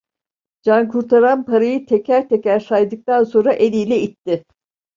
Cankurtaran parayı teker teker saydıktan sonra eliyle itti.